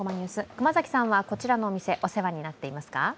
熊崎さんはこちらのお店お世話になっていますか？